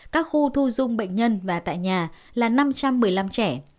các khu thu dung bệnh nhân và tại nhà là năm trăm một mươi năm trẻ